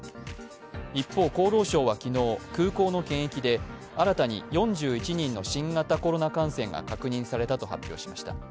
一方、厚労省は昨日、空港の検疫で新たに４１人の新型コロナ感染が確認されたと発表しました。